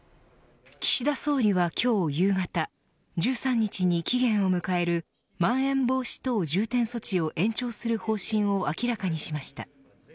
岸田総理は、今日夕方１３日に期限を迎えるまん延防止等重点措置を延長する方針を明らかにしました。